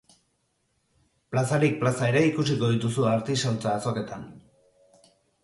Plazarik plaza ere ikusiko dituzu artisautza azoketan.